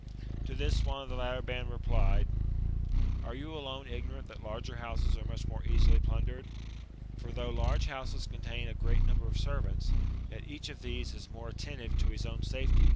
To this, one of the latter band replied, "Are you alone ignorant that larger houses are much more easily plundered ? For though large houses contain a great number of servants, yet each of these is more attentive to his own safety, than to the 3 Viz.